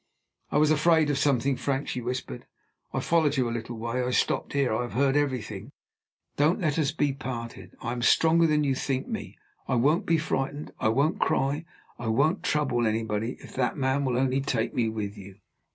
"I was afraid of something, Frank," she whispered. "I followed you a little way. I stopped here; I have heard everything. Don't let us be parted! I am stronger than you think me. I won't be frightened. I won't cry. I won't trouble anybody, if that man will only take me with you!"